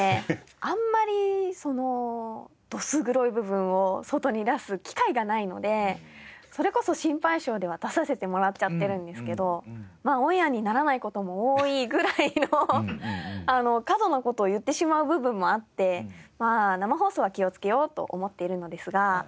あんまりドス黒い部分を外に出す機会がないのでそれこそ『シンパイ賞！！』では出させてもらっちゃっているんですけどオンエアにならない事も多いぐらいの過度な事を言ってしまう部分もあって生放送は気をつけようと思っているのですが。